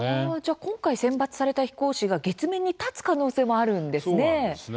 今回、選抜された飛行士が月面に立つ可能性もあるんですね。